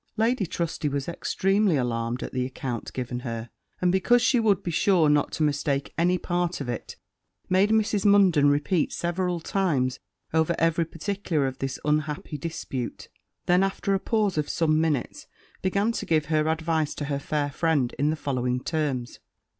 Lady Trusty was extremely alarmed at the account given her; and because she would be sure not to mistake any part of it, made Mrs. Munden repeat several times over every particular of this unhappy dispute; then, after a pause of some minutes, began to give her advice to her fair friend in the following terms.